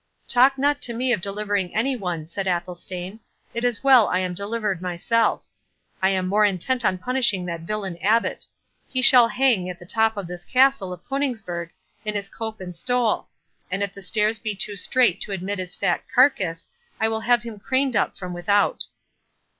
"Talk not to me of delivering any one," said Athelstane; "it is well I am delivered myself. I am more intent on punishing that villain Abbot. He shall hang on the top of this Castle of Coningsburgh, in his cope and stole; and if the stairs be too strait to admit his fat carcass, I will have him craned up from without."